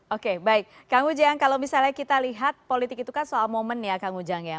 oke baik kang ujang kalau misalnya kita lihat politik itu kan soal momen ya kang ujang ya